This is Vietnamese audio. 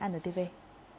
cảm ơn quý vị đã theo dõi